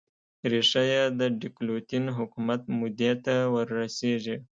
ریښه یې د ډیوکلتین حکومت مودې ته ور رسېږي.